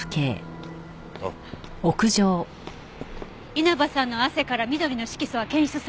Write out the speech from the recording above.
稲葉さんの汗から緑の色素は検出されなかったわ。